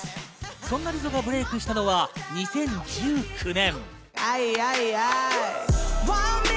そんなリゾがブレイクしたのは２０１９年。